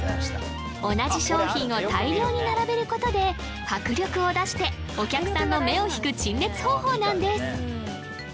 同じ商品を大量に並べることで迫力を出してお客さんの目を引く陳列方法なんです